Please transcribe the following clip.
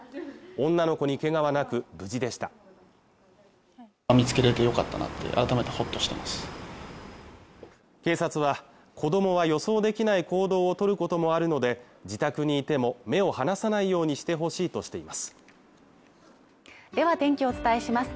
女の子にけがはなく無事でした警察は子供は予想できない行動を取ることもあるので自宅にいても目を離さないようにしてほしいとしていますでは天気をお伝えします